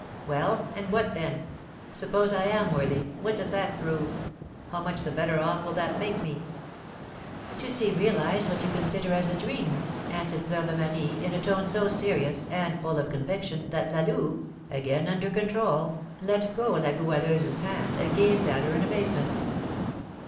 "Well, and what then? Suppose I am worthy, what does that prove? How much the better off will that make me?" "To see realised what you consider as a dream," answered Fleur de Marie, in a tone so serious and full of conviction that La Louve, again under control, let go La Goualeuse's hand, and gazed at her in amazement.